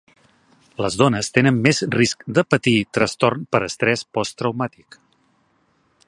Les dones tenen més risc de patir trastorn per estrès posttraumàtic.